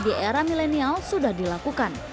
di era milenial sudah dilakukan